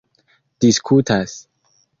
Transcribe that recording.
diskutas